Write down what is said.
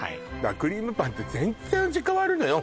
クリームパンって全然味変わるのよ